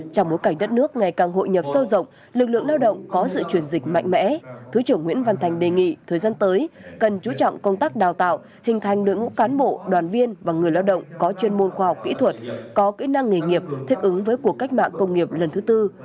trong bối cảnh đất nước ngày càng hội nhập sâu rộng lực lượng lao động có sự chuyển dịch mạnh mẽ thứ trưởng nguyễn văn thành đề nghị thời gian tới cần chú trọng công tác đào tạo hình thành đội ngũ cán bộ đoàn viên và người lao động có chuyên môn khoa học kỹ thuật có kỹ năng nghề nghiệp thích ứng với cuộc cách mạng công nghiệp lần thứ tư